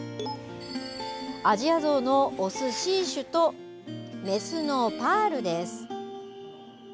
アジアゾウの雄、シーシュと雌のパールです。